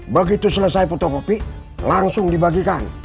begitu selesai foto copy langsung dibagikan